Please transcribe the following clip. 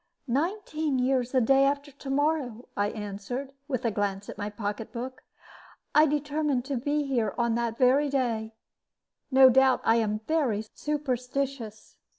"Nineteen years the day after to morrow," I answered, with a glance at my pocket book. "I determined to be here on that very day. No doubt I am very superstitious.